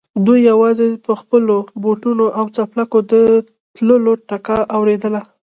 دوی يواځې د خپلو بوټونو او څپلکو د تلو ټکا اورېدله.